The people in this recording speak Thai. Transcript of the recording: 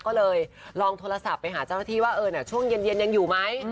ก็เลยลองโทรศัพท์ไปหาเจ้าหน้าที่ว่าช่วงเย็นยังอยู่ไหม